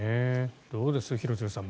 どうです、廣津留さん。